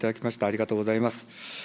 ありがとうございます。